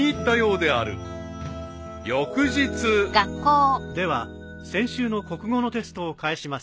［翌日］では先週の国語のテストを返します。